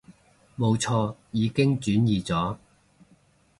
冇錯，已經轉移咗